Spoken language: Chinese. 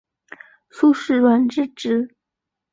苏士润之侄。